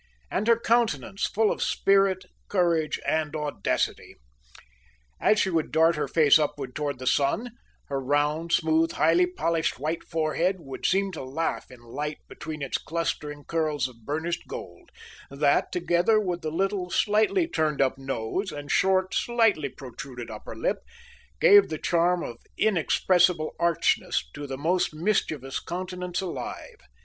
And her countenance, full of spirit, courage and audacity. As she would dart her face upward toward the sun, her round, smooth, highly polished white forehead would seem to laugh in light between its clustering curls of burnished gold, that, together with the little, slightly turned up nose, and short, slightly protruded upper lip, gave the charm of inexpressible archness to the most mischievous countenance alive.